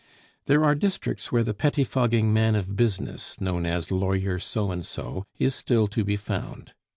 There are districts where the pettifogging man of business, known as Lawyer So and So, is still to be found.